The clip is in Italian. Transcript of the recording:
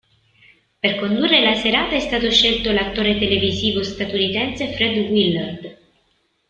Per condurre la serata è stato scelto l'attore televisivo statunitense Fred Willard.